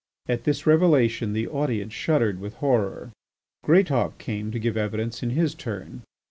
At this revelation the audience shuddered with horror. Greatauk came to give evidence in his turn.